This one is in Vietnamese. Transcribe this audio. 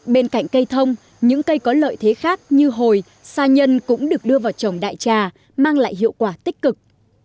bên cạnh cây thông những cây có lợi thế khác như hồi sa nhân cũng được đưa vào trồng đại trà mang lại hiệu quả tích cực